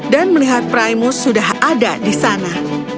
dan melihat primus sudah ada di sana